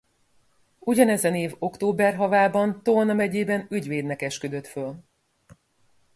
Ugyanezen év október havában Tolna megyében ügyvédnek esküdött föl.